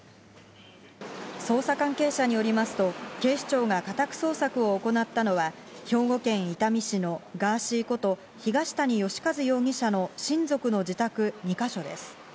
捜査関係者によりますと、警視庁が家宅捜索を行ったのは兵庫県伊丹市のガーシーこと東谷義和容疑者の親族の自宅２か所です。